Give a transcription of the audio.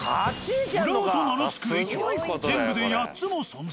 「浦和」と名のつく駅は全部で８つも存在。